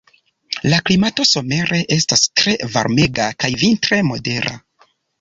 La klimato somere estas tre varmega kaj vintre modera.